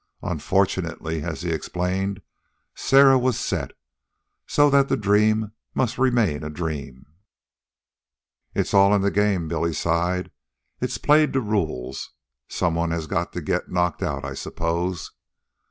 Unfortunately, as he explained, Sarah was set, so that the dream must remain a dream. "It's all in the game," Billy sighed. "It's played to rules. Some one has to get knocked out, I suppose."